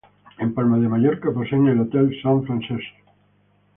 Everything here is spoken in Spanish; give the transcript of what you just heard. En Palma de Mallorca poseen el Hotel Sant Francesc.